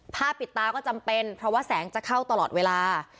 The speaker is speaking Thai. ปิดตาก็จำเป็นเพราะว่าแสงจะเข้าตลอดเวลา